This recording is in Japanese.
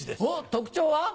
特徴は？